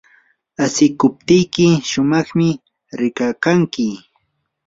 asikuptiyki shumaqmi rikakanki.